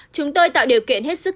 chúng tôi tạo điều kiện hết sức